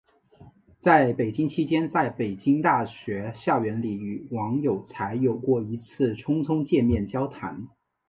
在北京期间在北京大学校园里与王有才有过一次匆匆见面交谈。